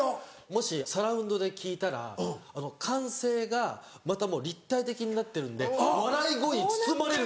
もしサラウンドで聞いたら歓声がまたもう立体的になってるんで笑い声に包まれるんですよ。